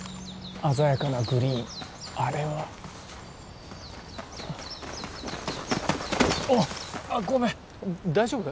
鮮やかなグリーンあれはおっあっごめん大丈夫？